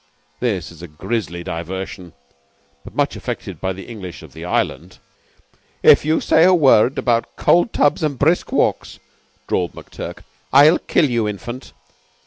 This is a grisly diversion, but much affected by the English of the Island. "If you say a word about cold tubs and brisk walks," drawled McTurk, "I'll kill you, Infant.